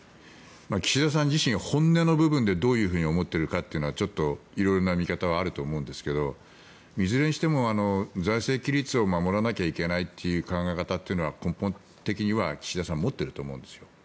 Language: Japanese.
岸田さん自身、本音の部分でどういうふうに思っているかちょっと色んな見方はあると思いますがいずれにしても財政規律を守らなければならないという考え方は根本的には岸田さん持っていると思うんですよ。